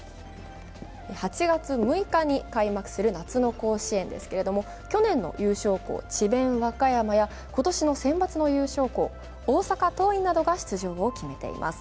８月６日に開幕する夏の甲子園ですけれども去年の優勝校、智弁和歌山や今年の選抜の優勝校大阪桐蔭などが出場を決めています。